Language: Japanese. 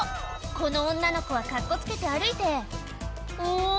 この女の子はカッコつけて歩いてん？